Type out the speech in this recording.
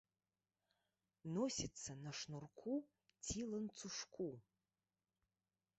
Носіцца на шнурку ці ланцужку.